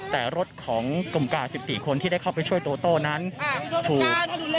แต่รถของกลุ่มกาด๑๔คนที่ได้เข้าไปช่วยโตโต้นั้นถูก